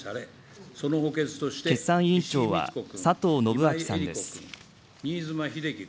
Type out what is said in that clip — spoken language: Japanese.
決算委員長は佐藤信秋さんです。